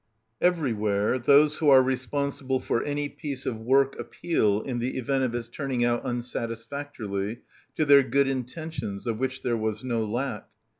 Everywhere those who are responsible for any piece of work appeal, in the event of its turning out unsatisfactorily, to their good intentions, of which there was no lack.